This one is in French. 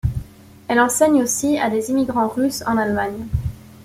Elle enseigne aussi à des immigrants russes en Allemagne.